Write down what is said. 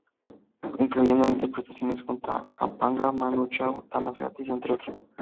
Incluyendo interpretaciones junto a Kapanga, Manu Chao, Damas Gratis entre otros.